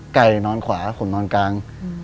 นอนขวาผมนอนกลาง